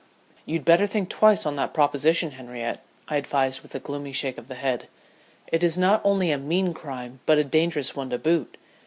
"You'd better think twice on that proposition, Henriette," I advised with a gloomy shake of the head. "It is not only a mean crime, but a dangerous one to boot.